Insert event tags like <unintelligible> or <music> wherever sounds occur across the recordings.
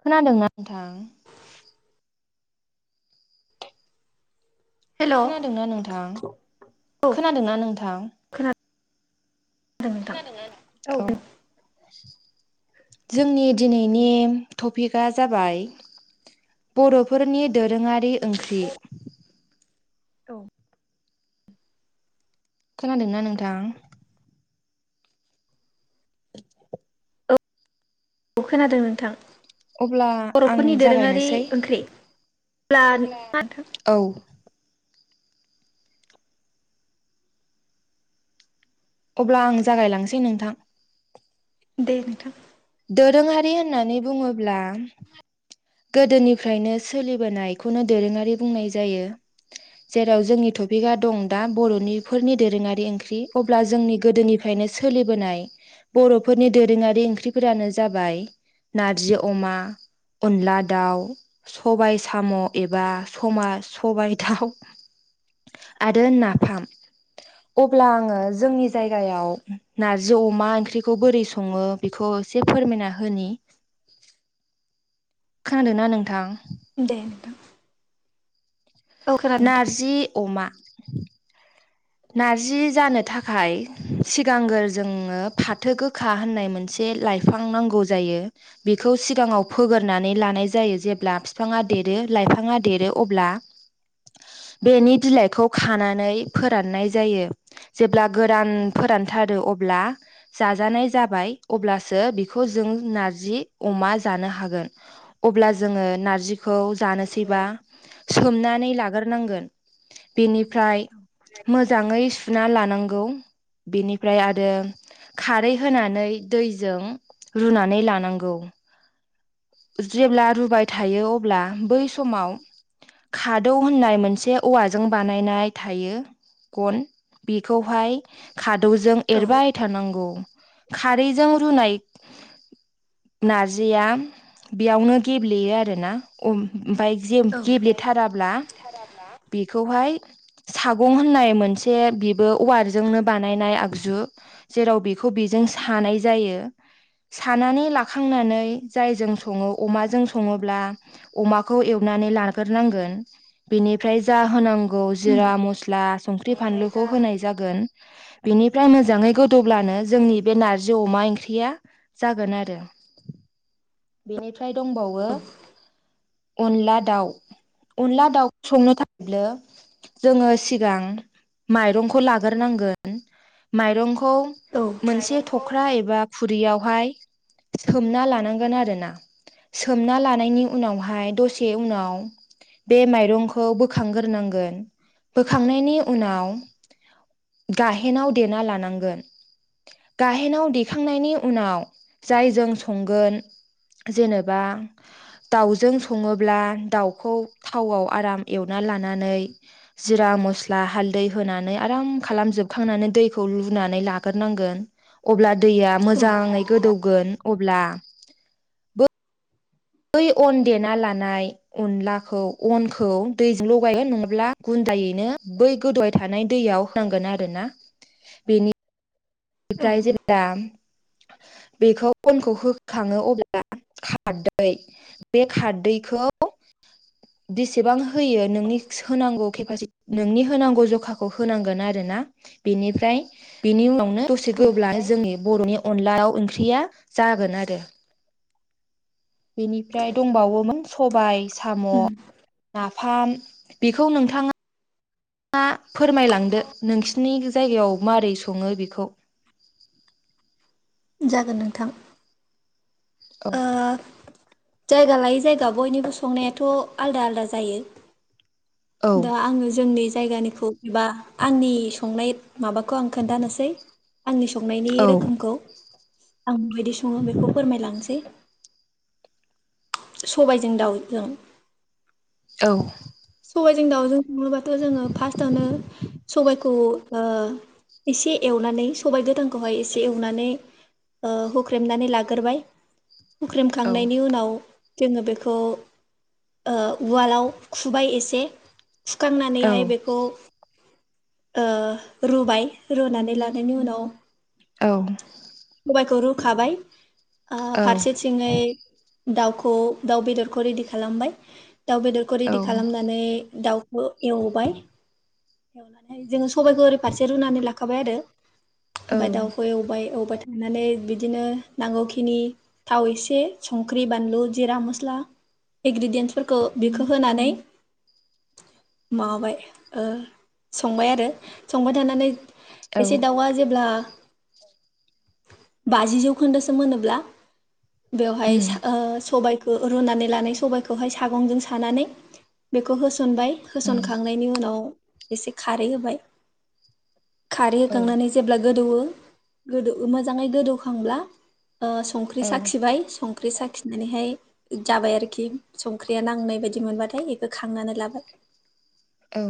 खोनादोंना नोंथां? हेल' औ खोनादोंना नोंथां? खोनादोंना नोंथां? दों नोंथां। औ। जोंनि दिनैनि टपिकआ जाबाय बर'फोरनि दोरोङा रि ओंख्रि। औ। खोनादोंना नोंथां? औ औ खोनादों नोंथां। अब्ला आं बर'फोरनि दोरोङारि जागायनोसै ओंख्रि। <inaudible> औ। अब्ला आं जागायलांसै नोंथां। दे नोंथां। दोरोङारि होननानै बुङोब्ला गोदोनिफ्रायनो सोलिबोनायखौनो दोरोङारि बुंनाय जायो। जेराव जोंनि टपिकआ दं दा बर'निफोरनि दोरोङारि ओंख्रि। अब्ला जोंनि गोदोनिफ्रायनो सोलिबोनाय बर'फोरनि दोरोङारि ओंख्रिफोरानो जाबाय नार्जि अमा, अनला दाउ, सबाय साम' एबा समा सबाय दाउ आरो नाफाम। अब्ला आङो जोंनि जायगायाव नार्जि अमा ओंख्रिखौ बोरै सङो बेखौ एसे फोरमायना होनि। खोनादोंना नोंथां? दे नोंथां। औ खोनादों नार्जि अमा <unintelligible> नार्जि जानो थाखाय सिगांगोर जोंनो फाथो गोखा होननाय मोनसे लाइफां नांगौ जायो। बेखौ सिगाङाव फोगोरनानै लानाय जायो जेब्ला बिफाङा देरो लाइफाङा देरो अब्ला बेनि बिलाइखौ खानानै फो रान्नाय जायो। जेब्ला गोरान नोंथां फोरानथारो अब्ला जाजानाय जाबाय अब्लासो बेखौ जों नार्जि अमा जानो हागोन। अब्ला जोङो नार्जि खौ जानोसैबा सोमनानै लागोरनांगोन। बेनिफ्राय मोजांयै सुना लानांगौ बेनिफ्राय आरो खारै होनानै दैजों रुनानै लानांगौ। जेब्ला रुबाय थायो अब्ला बै समाव खादौ होननाय मोनसे औवाजों बानायनाय थायो गन बेखौहाय खादौजों औ एरबाय थानांगौ। खारैजों रुनाय नार्जिया बेयावनो गेब्लेयो आरोना। ओमफ्राय जेम गेब्लेथाराब्ला बेखौहाय सा गं होननाय मोनसे बेबो औवाजोंनो बानायनाय आगजु जेराव बेखौ बेजों सानाय जायो। सानानै लाखांनानै जायजों सङो अमाजों सङोब्ला अमाखौ एवनानै लागोरनांगोन बिनिफ्राय जा होनां गौ उम जिरा, म स्ला, संख्रि, औ फानलुखौ होनाय जागोन। मोजाङै जानो गोदौब्लानो जोंनि बे नार्जि अमा ओंख्रिया जागोन आरो। फ्राय दंबावो अनला दाउ अनला दाउ संनो थाखायनो जोङो सिगां माइरंखौ लाग्रोनांगोन माइरंखौ औ औ खौ मोनसे औ थख्रा एबा खुरियाव बेहाय सोमना लानांगोन आरोना सोमना लानायनि उनावहाय दसे उनाव बे माइरंखौ बोखांग्रोनांगोन बोखांनायनि उनाव गा गाहेनाव देना लानांगोन गाहेनाव देखांनायनि उनाव जाय जों संगोन जेनेबा दाउजों सङोब्ला दाउखौ थावआव आराम एवना लानानै जिरा मस्ला हालदै होनानै आराम खालामजोबखांनानै दैखौ लुनानै लाग्रोनांगोन अब्ला दैया मोजाङै गोदौगोन अ अब्ला बै अन देना लानाय अनलाखौ अनखौ दैजों लगायो नङाब्ला गुन्दायैनो बै गोदौबाय थानाय दैयाव होनांगोन आरोना बेनि प्राइजेद दाम बेखौ अनखौ होखाङो अब्ला खारदै बे खारदैखौ बेसेबां होयो नोंनि होनांगौ केपासि नोंनि होनांगौ जखाखौ होनांगोन आरो ना बेनिफ्राय बेनि उनावनो दसे गोब्ला जोंनि बर'नि अनला दाउ ओंख्रिया जागोन आरो बेनिफ्राय दंबावोमोन सबाय साम' उम ना फान बेखौ नोंथाङा मा फोरमायलांदो नोंसिनि जायगायाव मोरै सङो बेखौ? जागोन नोंथां। औ ओ जायगा लायै जायगा बयनिबो संनायाथ' आलदा आलदा जायो। औ दा आङो जोंनि जायगानिखौ एबा आंनि संनाय माबाखौ आं खोन्थानोसै आंनि संनायनि औ रोखोमखौ आं माबायदि सङो बेखौ फोरमायलांसै‌ सबायजों दाउजों औ सबायजों दाउजों नुङोबाथ' जोङो फार्स्टआवनो सबायखौ ओ एसे एवनानै सबायाइ गोदांखौहाय एसे एवनानै ओ हुख्रेमनानै लाग्रोबाय औ हुख्रेमखांनायनि उनाव जोङो बेखौ ओ उवालाव खुबाय एसे से औ सुखांनानैहाय बेखौ ओ रुबाय रुनानै लानायनि उनाव, औ। सबायखौ रुखाबाय,। ओ औ फारसे सिङै दाउखौ दाउ बेदरखौ रेडि खालामबाय, दाउ बेदरखौ रेडि औ खालामनानै दाउखौ एवबाय जोङो सं सबायखौ ओरै फारसे रुनानै लाख <unintelligible> औ ओमफ्राय दाउखौ एवबाय एवबाय होननानै बिदिनो नांगौखिनि थाव एसे संख्रि बानलु जिरा मस्ला इनग्रिडियेन्सफोरखौ बेखौ होनानै माबाबाय संबाय आरो संबाय थानानै,। औ एसे दाउआ जेब्ला,। बाजि जौखोन्दोसो मोनोब्ला। बेवहाय उम ओ सबाय। खौ रुनानै लानाय सबायखौहाय सागंजों सानानै बेखौ होस होसनबाय उम होसनखांनायनि उनाव। एसे खारै होबाय। खारै औ होखांनानै जेब्ला गोदौवो गोदौ मोजाङै गोदौखांब्ला ओ संख्रि औ साखिबाय सं संख्रि साखिनानैहाय जाबाय आरोखि संख्रिया नांनाय बायदि मोनबाथाय बेखौ खांनानै लाबाय औ।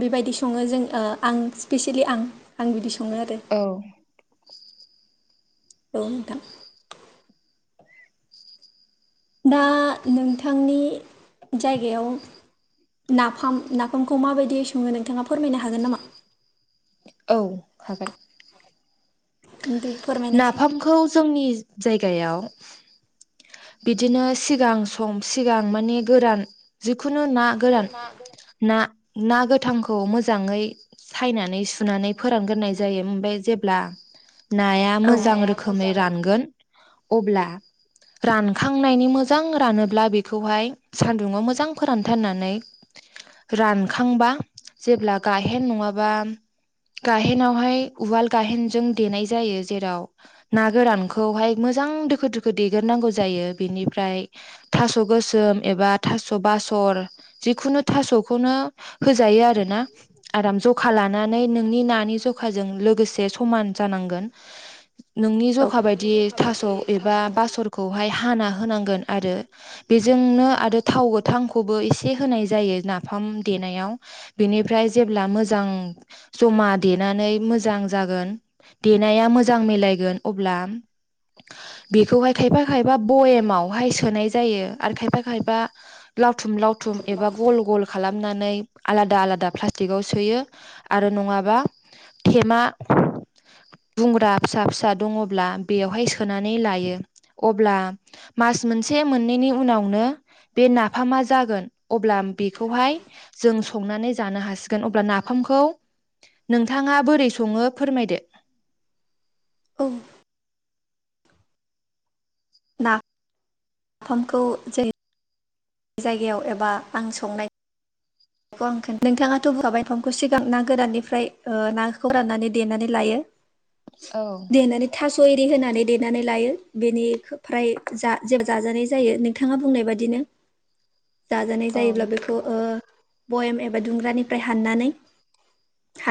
बेबायदि सङो जों आं स्पेसियेलि आं आं बिदि सं सङो आरो। औ औ नोंथां। दा नोंथांनि जायगायाव नाफाम नाफामखौ माबायदि सङो नोंथाङा। फोरमायनो हागोन नामा। औ हागोन। दे फोरमायनायसै नाफामखौ जोंनि। जायगायाव। बिदिनो सिगां सम सिगां माने गोरान जिखुनु ना गोरान ना। ना गोथांखौ मोजाङै सायनानै सुनानै फोरानग्रोनाय जायो ओम बे जेब्ला। नाया औ मोजां रोखोमै रोखोम रानगोन। अब्ला रानखांनायनि मोजां रानोब्ला बेखौहाय सान्दुुंआव मोजां फोरानथारनानै रानखांबा जेब्ला गाहेन नङाबा गाहेनावहाय उवाल गाहेनजों देनाय जायो जेराव ना गोरानखौहाय मोजां दोखो दोखो देग्रोनांगौ जायो बिनिफ्राय थास' गोसोम एबा थास' बासर जिखुनु थास'खौनो होजायो आरो ना आराम जखा लानानै नोंनि नानि जखाजों लोगोसे समान जानांगोन नोंनि औ जखा बायदि थास' एबा बास'र हाना होनांगोन आरो बेजोंनो आरो थाव गोथांखौबो एसे होनाय जायो नाफाम देनायाव बेनिफ्राय जेब्ला मोजां जमा देनानै मोजां जागोन देनाया मोजां मेलायगोन अब्ला बेखौहाय खायफा खायफा बयेमावहाय सोनाय जायो आरो खायफा खायफा लावथुम लावथुम एबा गल गल खालाम खालामनानै आलादा आलादा प्लास्टिकआव सोयो आरो नङाबा थेमा दुंग्रा फिसा फिसा दङब्ला बेवहाय सोनानै लायो। अब्ला मास मोनसे मोननैनि उनावनो बे नाफामा जागोन अब्ला बेखौहाय जों संनानै जानो हासिगोन अब्ला नाफामखौ नोंथाङा बोरै सङो? फोरमायदो। औ ना फामखौ जोंनि जायगायाव एबा आं संनाय बेखौ आं खोन नोंथाङाथ' बुंखाबाय नाफामखौ सिगां ना गोराननिफ्राय ओ नाखौ राननानै देनानै लायो। औ देनानै थास' एरि होनानै देनानै लायो बेनिफ्राय जा-जाजानाय जायो नोंथाङा बुंनाय बादिनो। जाजानाय औ जायोब्ला बेखौ ओ भयेम एबा दुंग्रानिफ्राय हाननानै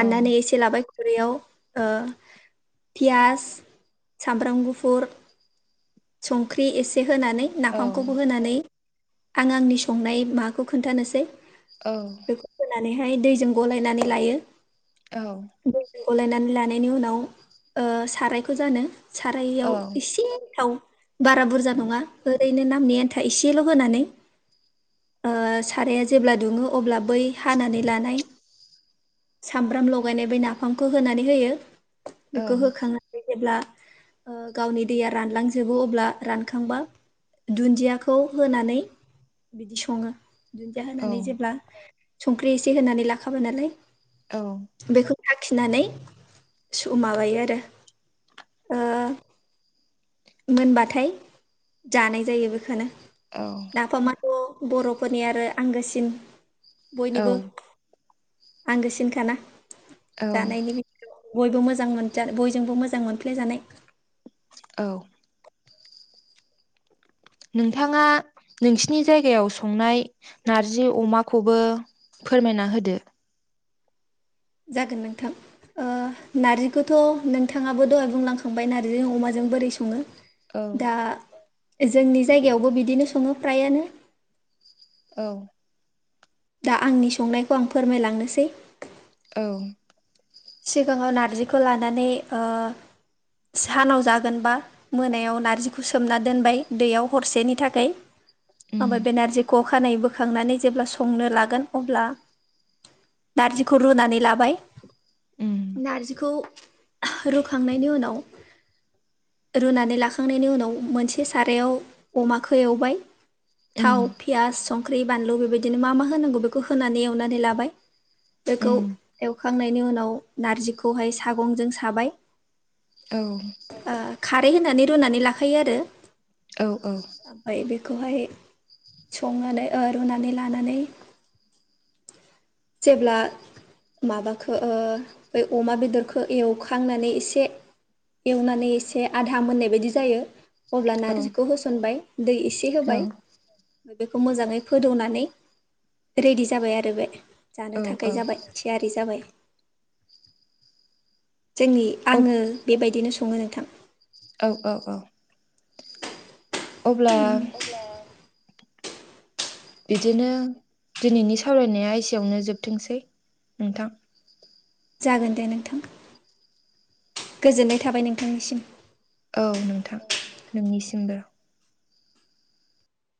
औ एसे लाबाय बेैयाव ओ पियास सामब्राम गुफुर संख्रि एसे होनानै औ नाफामखौबो होनानै आं आंनि संनाय माबाखौ खोनन्थानोसै। औ। हाय दैजों गलायनानै लायो। औ। दैजों गलायनानै लानायनि उनाव ओ सारायखौ जानो। औ साराइयाव एसे थाव बारा बुरजा नङा ओरैनो नामनि आन्था एसेल' होनानै ओ साराया जेब्ला दुङो अब्ला बै हानानै लानाय सामब्राम लगायनाय बै नाफामखौ होनानै होयो। औ बेखौ होखांनानै जेब्ला गावनि ओ दैया रानलां जोबो अब्ला रानखांबा दुन्दियाखौ होनानै बिदि सङो। दुन्दिया होनानै जेब्ला संख्रि एसे होनानै लाखाबाय नालाय औ आखिनानै स माबायो आरो ओ मोनबाथाय जानाय जायो बेखौनो। नाफामाथ' बर'फोरनि आरो आंगोसिन औ बयनिबो आंगोसिनखाना। जानायनि बयबो मोजां मोनजा बयजोंबो मोजां मोनफ्लाय जानाय। औ नोंथाङा नोंसिनि जायगायाव संनाय नारजि अमाखौबो फोरमायना होदो। जागोन नोंथां ओ नार्जिखौथ' नोंथाङाबो दहाय बुंलांखांबाय नारजिजों अमाजों बोरै सङो औ दा जोंनि जायगायावबो बिदिनो सङो फ्रायानो। औ। दा आंनि संनायखौ आं फोरमायलांनोसै। औ सिगाङाव नार्जिखौ लानानै ओह सानाव जागोनबा मोनायाव नार्जिखौ सोमना दोनबाय दैयाव हरसेनि थाखै उम अमा बेेनारजिख' अखानायै बोखांनानै जेब्ला संनो लागोन अब्ला नारजिखौ रुनानै लाबाय उम नारजिखौ रुखांनायनि उनाव रुनानै लाखांनायनि उनाव मोनसे सारायाव अमखौ एवबाय उम थाव फियास संख्रि बानलु बेबायदिनो मा मा होनांगौ बेखौ होनानै एवनानै लाबाय। बेखौ उम एव खो। खांनायनि उनाव। नार्जिखौहाय सागंजों साबाय औ ओ खारै होनानै रुनानै लाखायो आरो। औ औ ओमफ्राय बेखौहाय संनानै ओ रुनानै लानानै जेब्ला माबाखो ओ बे अमा बेदरखौ एवखांनानै एसे एवनानै एसे आधा मोननाय बायदि जायो। अब्ला औ नारजिखौ होसनबाय। दै एसे औ होबाय। बेखौ मोजाङै फोदौनानै रेडि जाबाय आरो बे। जानो औ थाखाय औ जाबाय थियारि जाबाय। जोंनि अब आङो बेबायदिनो सङो। थां औ औ औ अब्ला बिदिनो दिनैनि सावरायनाया एसेयावनो जोबथोंसै नोंथां जागोन दे नोंथां गोजोननाय थाबाय नोंथांनिसिम औ नोंथां नोंनिसिमबो